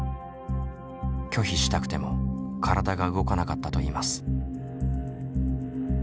拒否したくても体が動かなかったといいます。